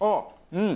うん。